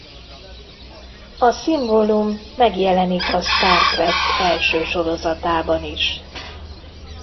A szimbólum megjelenik a Star Trek első sorozatában is.